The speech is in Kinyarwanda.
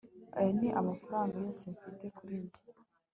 aya ni amafaranga yose mfite kuri njye